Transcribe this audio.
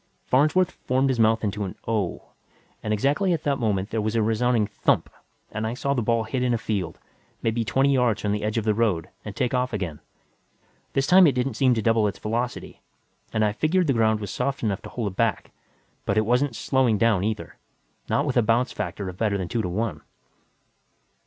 Farnsworth formed his mouth into an "Oh" and exactly at that moment there was a resounding thump and I saw the ball hit in a field, maybe twenty yards from the edge of the road, and take off again. This time it didn't seem to double its velocity, and I figured the ground was soft enough to hold it back but it wasn't slowing down either, not with a bounce factor of better than two to one.